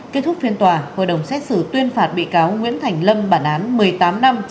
kết thúc phiên tòa hội đồng xét xử tuyên phạt bị cáo nguyễn thành lâm bản án một mươi tám năm